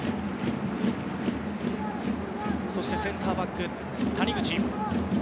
そしてセンターバックは谷口。